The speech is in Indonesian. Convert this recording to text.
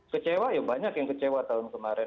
kecewa ya banyak yang kecewa tahun kemarin